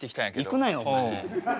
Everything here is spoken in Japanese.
行くなよお前。